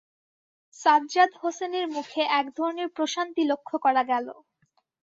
সাজ্জাদ হোসেনের মুখে এক ধরনের প্রশান্তি লক্ষ করা গেল।